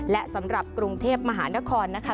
และสำหรับกรุงเทพมหานครนะคะ